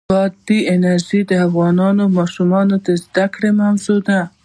بادي انرژي د افغان ماشومانو د زده کړې موضوع ده.